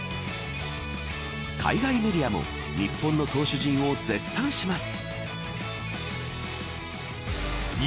海外メディアも日本の投手陣を絶賛します。